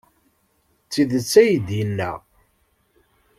D tidet ay d-yenna.